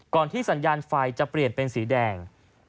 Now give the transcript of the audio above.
ที่สัญญาณไฟจะเปลี่ยนเป็นสีแดง